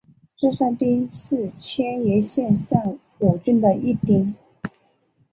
芝山町是千叶县山武郡的一町。